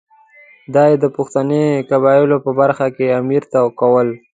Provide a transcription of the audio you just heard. دا یې د پښتني قبایلو په برخه کې امیر ته کول.